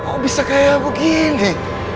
kok bisa kayak begini